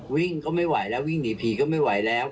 วิ่งก็ไม่ไหวแล้ววิ่งหนีผีก็ไม่ไหวแล้ว